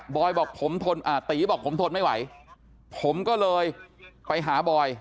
อยบอกผมทนตีบอกผมทนไม่ไหวผมก็เลยไปหาบอย